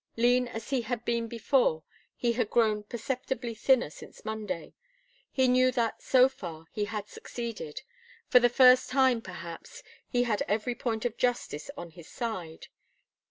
Lean as he had been before, he had grown perceptibly thinner since Monday. He knew that, so far, he had succeeded. For the first time, perhaps, he had every point of justice on his side.